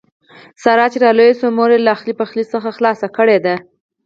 ساره چې را لویه شوه مور یې له اخلي پخلي څخه خلاصه کړې ده.